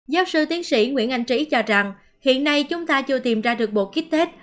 giáo sư tiến sĩ nguyễn anh trí cho rằng hiện nay chúng ta chưa tìm ra được bộ kích tết